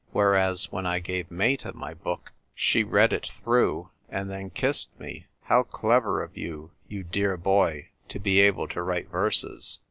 Whereas, when I gave Meta my book she read it through, and then kissed me. 'How clever of you, you dear boy, to be able to write verses!